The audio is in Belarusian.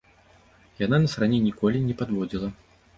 Яна нас раней ніколі не падводзіла.